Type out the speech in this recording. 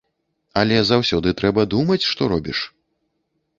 Але заўсёды трэба думаць, што робіш.